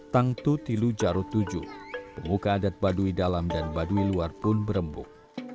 tangtu tilu jarut tujuh pemuka adat baduidalam dan baduiluar pun berembuk